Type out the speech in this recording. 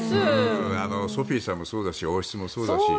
ソフィーさんもそうだし王室もそうだし。